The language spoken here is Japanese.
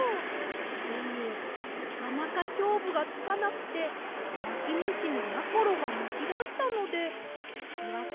でもなかなかしょうぶがつかなくてなきむしのなころがなきだしたのでひきわけにしました。